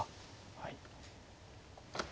はい。